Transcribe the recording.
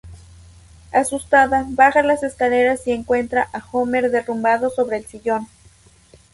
Asustada, baja las escaleras y encuentra a Homer derrumbado sobre el sillón.